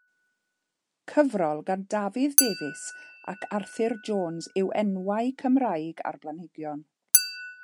Cyfrol gan Dafydd Davies ac Arthur Jones yw Enwau Cymraeg ar Blanhigion.